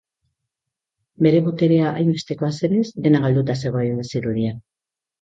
Bere boterea hainbestekoa zenez, dena galduta zegoela zirudien.